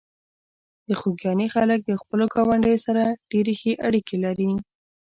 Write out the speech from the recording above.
د خوږیاڼي خلک د خپلو ګاونډیو سره ډېرې ښې اړیکې لري.